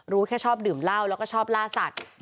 รู้แค่ชอบดื่มเล่าและชอบลาสัตว์